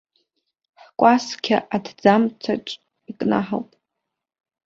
Ҳкәасқьа аҭӡамцаҿ икнаҳауп.